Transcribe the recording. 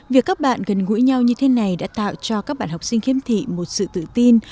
việc các bạn gần gũi nhau như thế này đã tạo cho các bạn học sinh khiếm thị một sự tự tin